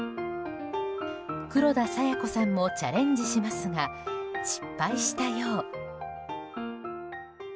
黒田清子さんもチャレンジしますが失敗したよう。